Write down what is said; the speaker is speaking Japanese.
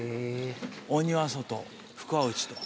鬼は外福は内と。